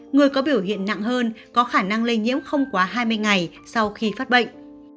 người có biểu hiện nặng hơn có khả năng lây nhiễm không quá hai mươi ngày sau khi phát bệnh